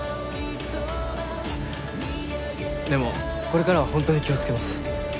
でもこれからは本当に気をつけます。